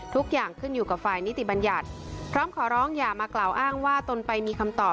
ทุกอย่างขึ้นอยู่กับฝ่ายนิติบัญญัติพร้อมขอร้องอย่ามากล่าวอ้างว่าตนไปมีคำตอบ